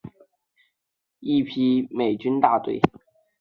此时埋藏在山上的日军炮火又开始痛击经过山下的一批美军大队。